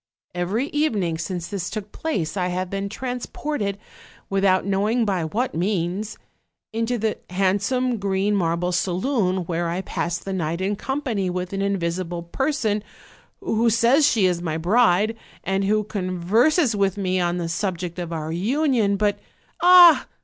Every evening since this took place I have been transported, without knowing by what means, into the handsome green marble saloon, where I pass the night in company with an invisible person, who says she is my bride, and who converses with me on the subject of our union: but " "Ah!